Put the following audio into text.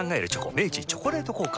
明治「チョコレート効果」